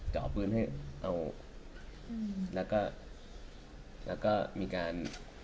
จะเอาปืนให้เอาแล้วก็มีการ